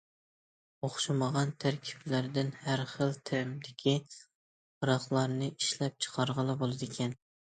ئوخشىمىغان تەركىبلەردىن ھەر خىل تەمدىكى ھاراقلارنى ئىشلەپچىقارغىلى بولىدىكەن.